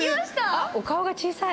あっお顔が小さい。